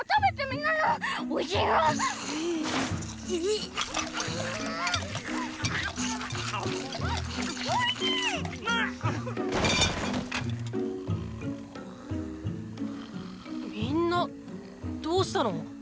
みんなどーしたの？